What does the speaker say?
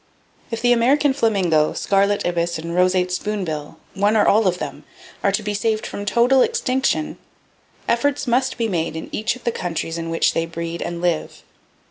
If the American flamingo, scarlet ibis and roseate spoonbill, one or all of them, are to be saved from total extinction, efforts must be made in each of the countries in which they breed and live.